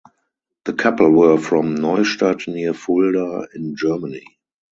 The couple were from Neustadt near Fulda in Germany.